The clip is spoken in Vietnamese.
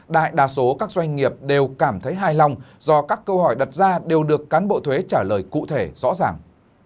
đại đa số các doanh nghiệp đều cảm thấy hài lòng do các câu hỏi đặt ra đều được cán bộ thuế trả lời cụ thể rõ ràng